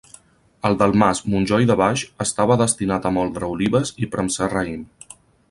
El del mas Montjoi de Baix estava destinat a moldre olives i premsar raïm.